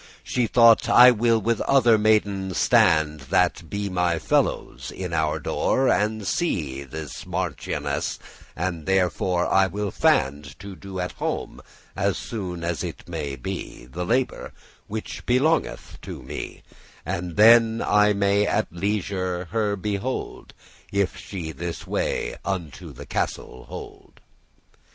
She thought, "I will with other maidens stand, That be my fellows, in our door, and see The marchioness; and therefore will I fand* *strive To do at home, as soon as it may be, The labour which belongeth unto me, And then I may at leisure her behold, If she this way unto the castle hold."